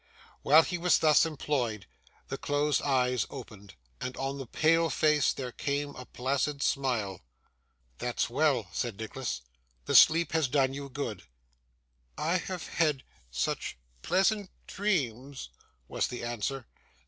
While he was thus employed, the closed eyes opened, and on the pale face there came a placid smile. 'That's well!' said Nicholas. 'The sleep has done you good.' 'I have had such pleasant dreams,' was the answer.